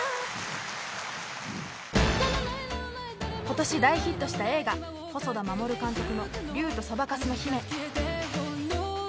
今年大ヒットした映画細田守監督の「竜とそばかすの姫」。